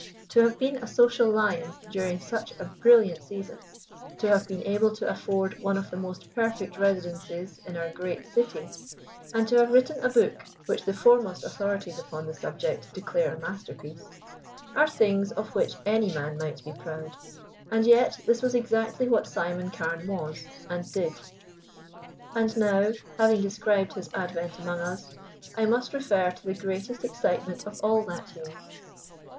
To have been a social lion during such a brilliant season, to have been able to afford one of the most perfect residences in our great city, and to have written a book which the foremost authorities upon the subject declare a masterpiece, are things of which any man might be proud. And yet this was exactly what Simon Carne was and did. And now, having described his advent among us, I must refer to the greatest excitement of all that year.